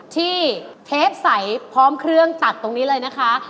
เทปใสพร้อมเครื่องตัดตรงนี้เลยนะคะ